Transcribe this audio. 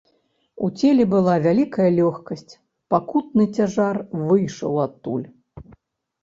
У целе была вялікая лёгкасць, пакутны цяжар выйшаў адтуль.